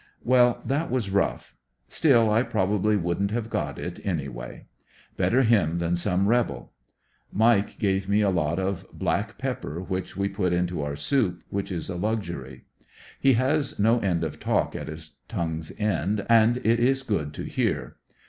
Well, that was rough, still I probably wouldn't have got it any way. Better him than some rebel. Mike gave me a lot of black pepper which we put into our soup, which is a luxury. He has no end of talk at his tongue's end, and it is good to hear.